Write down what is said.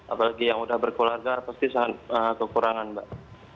apalagi yang sudah berkeluarga pasti sangat kekurangan mbak